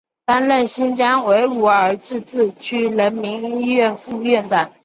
担任新疆维吾尔自治区人民医院副院长。